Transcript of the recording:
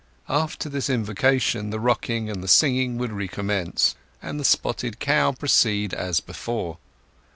After this invocation the rocking and the singing would recommence, and the "Spotted Cow" proceed as before.